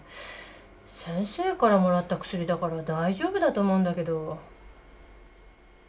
先生からもらった薬だから大丈夫だと思うんだけど。